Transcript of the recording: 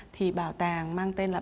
thì bảo tàng mang tên là